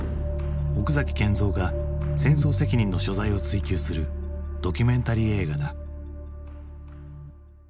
奥崎謙三が戦争責任の所在を追及するドキュメンタリー映画だ。